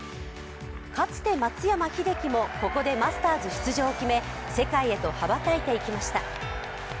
かつて松山英樹もここでマスターズ出場を決め世界へと羽ばたいていきました。